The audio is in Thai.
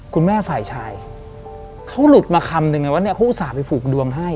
คุณแม่ฝ่ายชายเขาหลุดมาคำนึงไงว่าเนี่ยเขาอุตส่าห์ไปผูกดวงให้